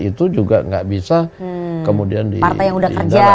itu juga gak bisa kemudian diindahkan